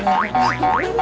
itu ngapasih pada ilahi lo